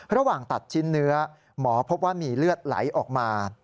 ระหว่างตัดชิ้นเนื้อหมอพบว่ามีเลือดไหลออกมา